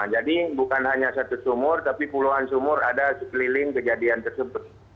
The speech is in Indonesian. jadi bukan hanya satu sumur tapi puluhan sumur ada sekeliling kejadian tersebut